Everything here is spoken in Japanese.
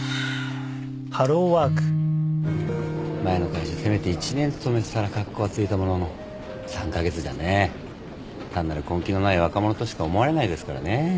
前の会社せめて１年勤めてたらカッコがついたものの３カ月じゃね単なる根気のない若者としか思われないですからね。